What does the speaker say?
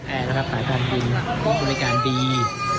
แอร์นะครับสายการบินบริการบิน